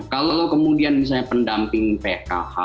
kalau kemudian misalnya pendamping pkh